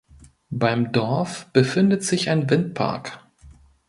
Beim Dorf befindet sich ein Windpark.